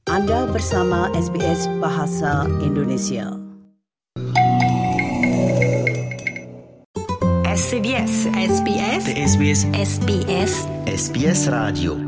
anda bersama sbs bahasa indonesia